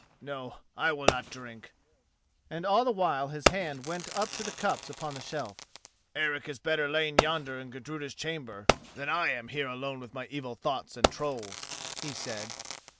No, I will not drink," and all the while his hand went up to the cups upon the shelf. "Eric is better lain yonder in Gudruda's chamber than I am here alone with evil thoughts and trolls," he said.